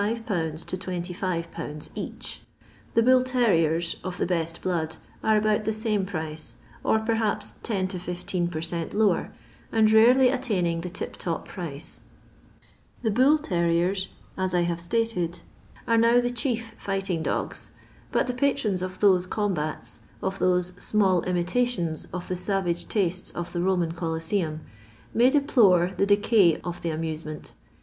to 251. each. The bull terriers, of the best blood, are about the same price, or perhaps 10 to 15 per cent lower, and rarely attaining the tip top price. K 56 LONDON LABOUR AND THE LONDON POOR. The bull terriers, aa I have stated, are now the chief fighting dogs, but the patrons of those com bats— of those small imitations of the savage tastes of the Roman Colosseum, may deplore tlie decay of the amusement.